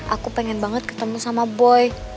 aku pengen banget ketemu sama boy